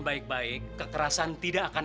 baik baik kekerasan tidak akan